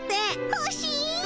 ほしい！